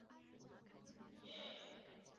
由东映动画的同名电视动画为原作。